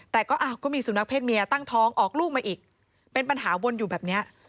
แต่ก็อ้าวก็มีสุนัขเศษเมียตั้งท้องออกลูกมาอีกเป็นปัญหาวนอยู่แบบเนี้ย